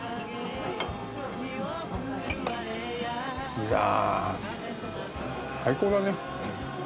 いや最高だね。